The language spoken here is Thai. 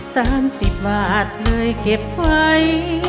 สามสิบบาทเลยเก็บไว้